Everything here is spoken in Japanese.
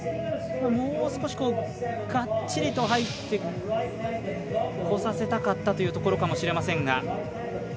もう少し、がっちりと入って起こさせたかったかもしれませんが。